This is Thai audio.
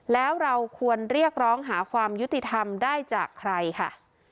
แล้วเราควรเรียกร้องหาความยุติธรรมได้จากใครค่ะ